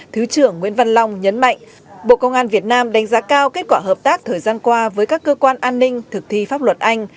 thứ trưởng nguyễn văn long nhấn mạnh bộ công an việt nam đánh giá cao kết quả hợp tác thời gian qua với các cơ quan an ninh thực thi pháp luật anh